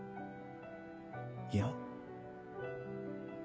いや。